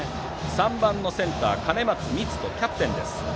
３番センター、兼松実杜キャプテンです。